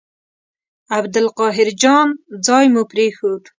عبدالقاهر جان ځای مو پرېښود.